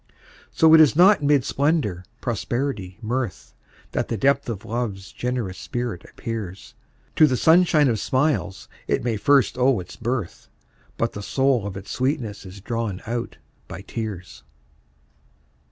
So it is not mid splendor, prosperity, mirth, That the depth of Love's generous spirit appears; To the sunshine of smiles it may first owe its birth, But the soul of its sweetness is drawn out by tears.